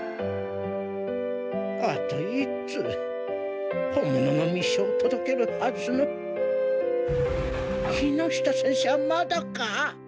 あと１通本物の密書を届けるはずの木下先生はまだか？